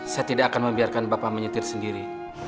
saya tidak akan membiarkan bapak menyetir sendiri